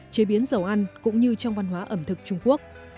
chế biến dầu ăn cũng như trong văn hóa ẩm thực trung quốc